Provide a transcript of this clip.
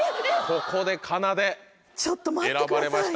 ここでかなで選ばれました。